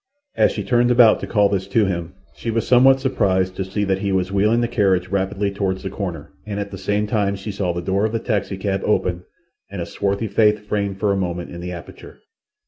As she turned about to call this to him she was somewhat surprised to see that he was wheeling the carriage rapidly toward the corner, and at the same time she saw the door of the taxicab open and a swarthy face framed for a moment in the aperture.